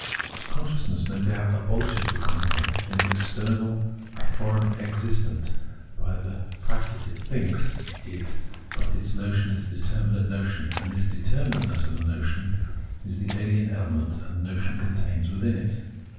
Consciousness, no doubt, abohshes the content as an external, a foreign existent, by the fact that it thinks it, but the notion is a determinate notion, and this determinateness of the notion is the ahen element the notion contains within it.